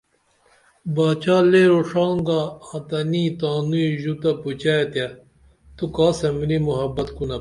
باچا لے روڜان گا آں تنی تانوئی ژو تہ پوچئے تے تو کاسہ ملی محبت کُنپ